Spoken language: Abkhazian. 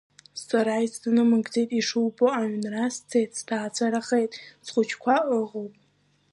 Сара исзынамыгӡеит, ишубо, аҩнра сцеит, сҭаацәарахеит, схәыҷқәа ыҟоуп…